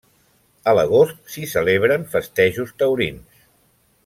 A l'agost s'hi celebren festejos taurins.